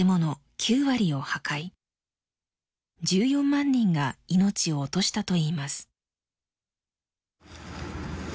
１４万人が命を落としたといいます。